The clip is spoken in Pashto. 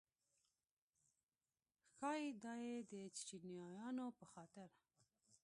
ښایي دا یې د چیچنیایانو په خاطر.